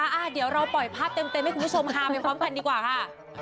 เดี๋ยวเราปล่อยภาพเต็มให้คุณผู้ชมฮาไปพร้อมกันดีกว่าค่ะ